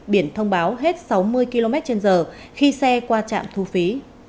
biển thông báo hết sáu mươi km trên giờ khi xe qua trạm thu phí